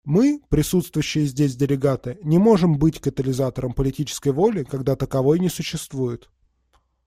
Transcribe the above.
Мы, присутствующие здесь делегаты, не можем быть катализатором политической воли, когда таковой не существует.